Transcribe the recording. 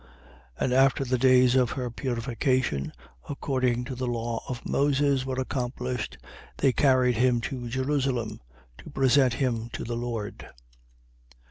2:22. And after the days of her purification, according to the law of Moses, were accomplished, they carried him to Jerusalem, to present him to the Lord: 2:23.